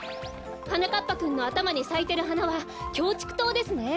はなかっぱくんのあたまにさいてるはなはキョウチクトウですね。